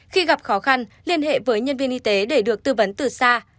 khi gặp khó khăn liên hệ với nhân viên y tế để được tư vấn từ xa